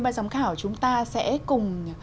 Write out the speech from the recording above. ban giám khảo chúng ta sẽ cùng